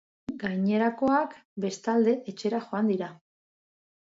Gainerakoak, bestalde, etxera joan dira.